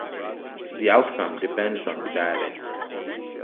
The outcome depends on the dialect.